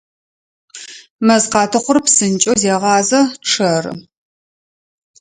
Мэзкъатыхъур псынкӏэу зегъазэ, чъэры.